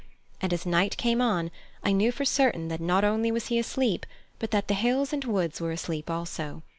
And as night came on I knew for certain that not only was he asleep, but that the hills and woods were asleep also.